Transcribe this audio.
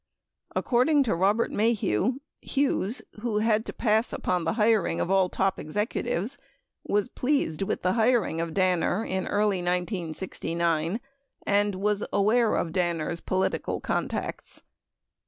22 According to Robert Maheu, Hughes, who had to pass upon the hiring of all top executives, was pleased with the hiring of Danner in early 1969 and was aware of Danner's political contacts.